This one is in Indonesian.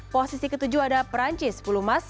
posisi ke tujuh ada perancis sepuluh emas